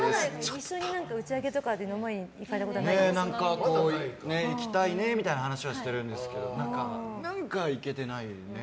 一緒に打ち上げとかで飲みに行ったことは行きたいねみたいな話はしてるんですけど何か行けてないよね。